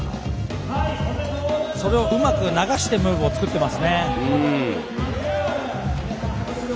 それを、うまく流してムーブを作ってます。